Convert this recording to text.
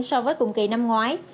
so với cùng kỳ năm ngoái